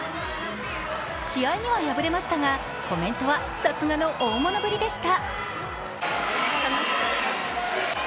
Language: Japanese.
試合には敗れましたが、コメントはさすがに大物ぶりでした。